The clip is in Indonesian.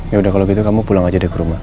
yaudah kalau gitu kamu pulang aja deh ke rumah